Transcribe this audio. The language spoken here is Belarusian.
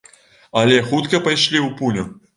Але хутка пайшлі ў пуню.